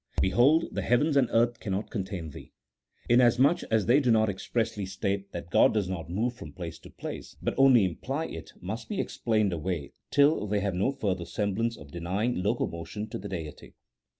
Behold the heavens and earth cannot contain thee," inasmuch as they do not expressly state that God does not move from place to place, but only imply it, must be explained away till they have no further semblance of denying locomotion to the Deity.